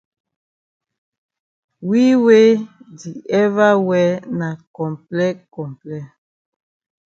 We we di ever wear na comple comple.